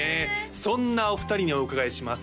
そんなお二人にお伺いします